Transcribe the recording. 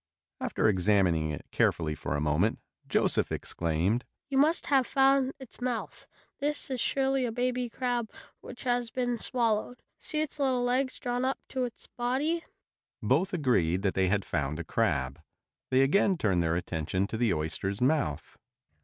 After examining it carefully for a moment Joseph exclaimed: "You must have found its mouth. This is surely a baby crab which has been swallowed. See its little legs drawn up to its body." Both agreed that they had found a crab. They again turned their attention to the oyster's mouth.